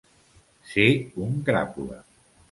Ser un cràpula.